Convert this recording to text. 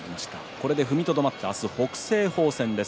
これで踏みとどまって明日は北青鵬戦です。